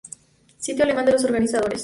Sitio alemán de los organizadores